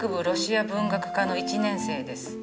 ロシア文学科の１年生です。